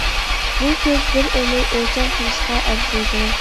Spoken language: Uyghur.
بۇ سۆز بىر ئۆمۈر ئۆلچەم قىلىشقا ئەرزىيدۇ.